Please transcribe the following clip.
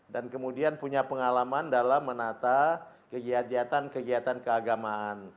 dan kemudian punya pengalaman dalam menata kegiatan kegiatan keagamaan